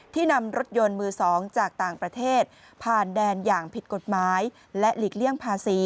นำรถยนต์มือ๒จากต่างประเทศผ่านแดนอย่างผิดกฎหมายและหลีกเลี่ยงภาษี